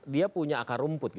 dia punya akar rumput